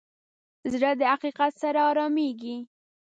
زړه د حقیقت سره ارامېږي.